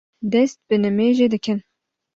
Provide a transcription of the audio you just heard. dest bi nimêjê dikin.